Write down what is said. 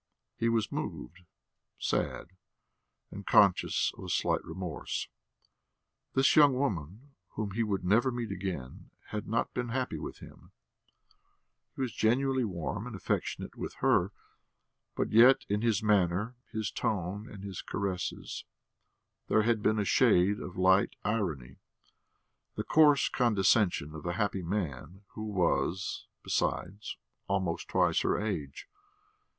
He was moved, sad, and conscious of a slight remorse. This young woman whom he would never meet again had not been happy with him; he was genuinely warm and affectionate with her, but yet in his manner, his tone, and his caresses there had been a shade of light irony, the coarse condescension of a happy man who was, besides, almost twice her age.